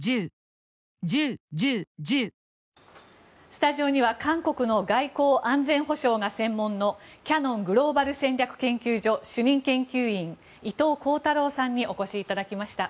スタジオには韓国の外交・安全保障が専門のキヤノングローバル戦略研究所主任研究員伊藤弘太郎さんにお越しいただきました。